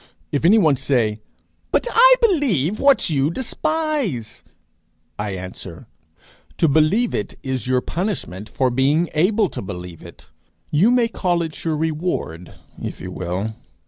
If anyone say, 'But I believe what you despise,' I answer, To believe it is your punishment for being able to believe it; you may call it your reward, if you will.